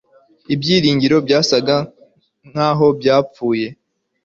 ibyiringiro byasaga naho byapfuye